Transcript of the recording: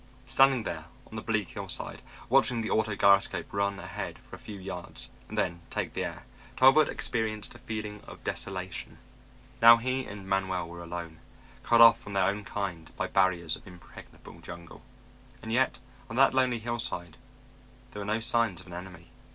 Standing there on the bleak hillside, watching the auto gyroscope run ahead for a few yards and then take the air, Talbot experienced a feeling of desolation. Now he and Manuel were alone, cut off from their own kind by barriers of impregnable jungle. And yet on that lonely hillside there were no signs of an enemy.